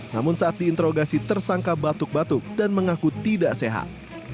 namun saat diinterogasi tersangka batuk batuk dan mengaku tidak sehat